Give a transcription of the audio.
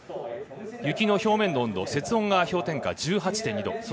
雪の表面の温度雪温が氷点下１８．２度。